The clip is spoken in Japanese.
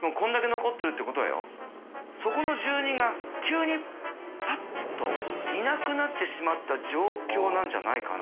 そこの住人が急にパッとい覆覆辰討靴泙辰状況なんじゃないかな？